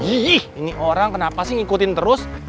hihih ini orang kenapa sih ngikutin terus